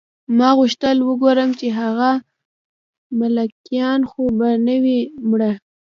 ما غوښتل وګورم چې هغه ملکیان خو به نه وي مړه